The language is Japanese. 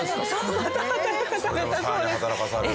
また働かされたの？